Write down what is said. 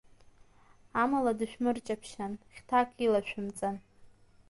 Амала дышәмырҷаԥшьан, хьҭак илашәымҵан…